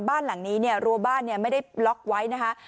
บ้านหลังนี้เนี่ยรัวบ้านไม่ได้ล็อกไว้นะคะ